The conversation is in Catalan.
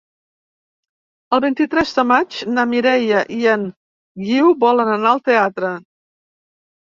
El vint-i-tres de maig na Mireia i en Guiu volen anar al teatre.